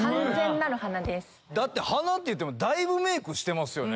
だって鼻っていってもだいぶメークしてますよね。